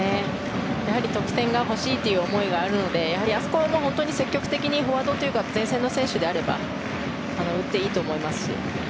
得点が欲しいという思いがあるのであそこは本当に積極的にフォワードというか前線の選手であれば打っていいと思います。